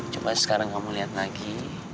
coba sekarang kamu lihat lagi